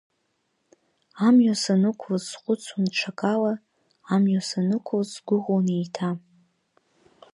Амҩа санықәлоз схәыцуан ҽакала, амҩа санықәлоз сгәыӷуан еиҭа…